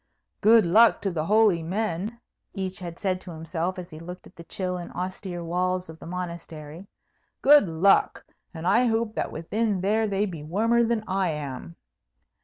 "Good luck to the holy men!" each had said to himself as he looked at the chill and austere walls of the Monastery. "Good luck! and I hope that within there they be warmer than I am."